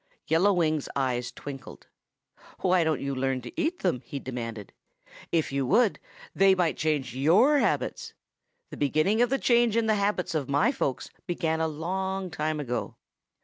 Yellow Wing's eyes twinkled. "Why don't you learn to eat them?" he demanded. "If you would, they might change your habits. The beginning of the change in the habits of my folks began a long time ago."